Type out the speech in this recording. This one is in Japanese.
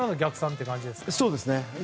そうですね。